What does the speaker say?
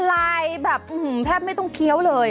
ละลายแบบอื้อหือแทบไม่ต้องเคี้ยวเลย